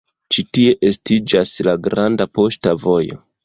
Ĉi tie estiĝas la Granda Poŝta Vojo.